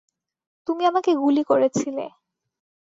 তুমি আমাকে গুলি করেছিলে।